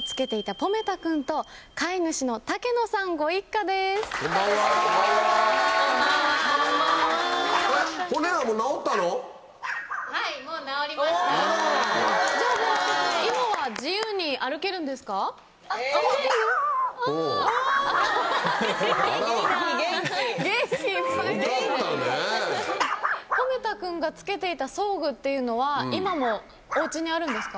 ポメ太くんが着けていた装具っていうのは今もお家にあるんですか？